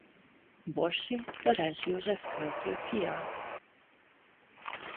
Borsi Darázs József költő fia.